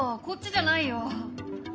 こっちじゃないよ。